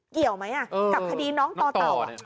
เกี่ยวไหมกับคดีน้องต่อเต่า